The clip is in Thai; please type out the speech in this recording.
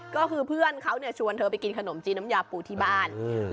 ก็คือเพื่อนเขาเนี่ยชวนเธอไปกินขนมจีนน้ำยาปูที่บ้าน